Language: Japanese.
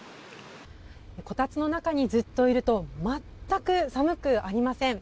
こたつの中にずっといると全く寒くありません。